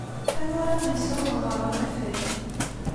Anwa ara ken-yessiwḍen ɣer unafag?